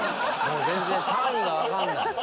全然単位が分かんない。